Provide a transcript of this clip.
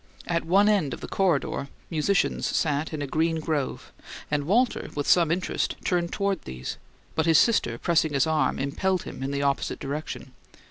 At one end of the corridor musicians sat in a green grove, and Walter, with some interest, turned toward these; but his sister, pressing his arm, impelled him in the opposite direction.